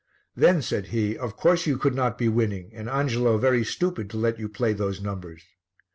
"Then," said he, "of course you could not be winning and Angelo very stupid to let you play those numbers."